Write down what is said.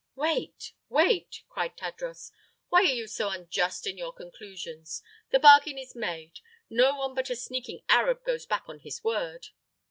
"Wait wait!" cried Tadros. "Why are you so unjust in your conclusions? The bargain is made. No one but a sneaking Arab goes back on his word."